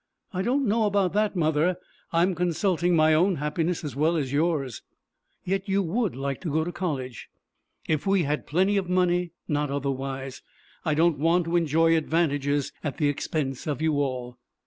"I don't know about that, mother; I am consulting my own happiness as well as yours." "Yet you would like to go to college?" "If we had plenty of money, not otherwise. I don't want to enjoy advantages at the expense of you all."